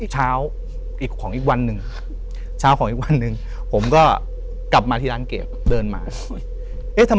จะเล่นเกมต่อ